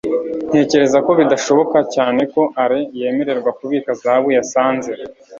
ntekereza ko bidashoboka cyane ko alain yemererwa kubika zahabu yasanze